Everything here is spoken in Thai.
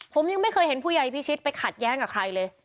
ผมยังไม่เคยเห็นผู้ใหญ่พิชิตไปขัดแย้งกับใครเลย